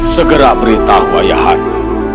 segera beritahu ayah anda